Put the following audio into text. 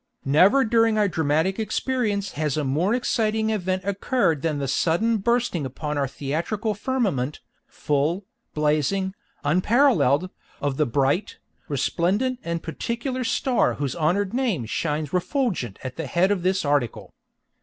Never during our dramatic experience has a more exciting event occurred than the sudden bursting upon our theatrical firmament, full, blazing, unparalleled, of the bright, resplendent and particular star whose honored name shines refulgent at the head of this article.